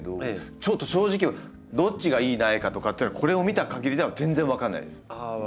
ちょっと正直どっちが良い苗かとかっていうのはこれを見たかぎりでは全然分かんないです。